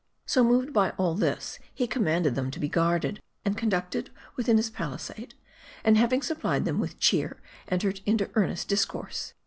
So, moved by all this, he commanded them to be guard ed, and conducted within his palisade ; and having supplied them with cheer, entered into earnest discourse.